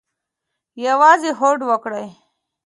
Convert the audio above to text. یوازې هوډ وکړئ